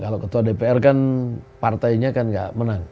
kalau ketua dpr kan partainya kan nggak menang